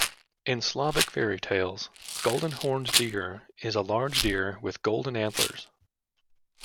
In Slavic fairytales, Golden-horned deer is a large deer with golden antlers.